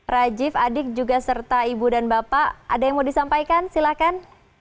rajif adik juga serta ibu dan bapak ada yang mau disampaikan silahkan